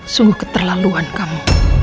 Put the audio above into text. sungguh keterlaluan kamu